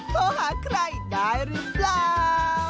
โทรหาใครได้หรือเปล่า